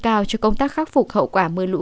cao cho công tác khắc phục hậu quả mưa lũ